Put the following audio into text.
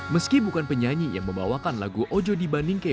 meski bukan penyanyi yang membawakan lagu ojo di bandingke